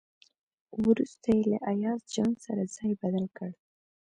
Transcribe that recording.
وروسته یې له ایاز جان سره ځای بدل کړ.